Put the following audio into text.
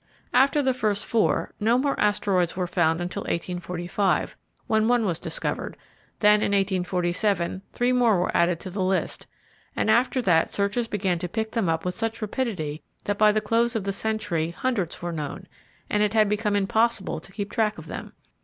After the first four, no more asteroids were found until 1845, when one was discovered; then, in 1847, three more were added to the list; and after that searchers began to pick them up with such rapidity that by the close of the century hundreds were known, and it had become almost impossible to keep track of them.